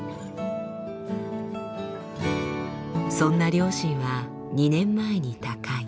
そんな両親は２年前に他界。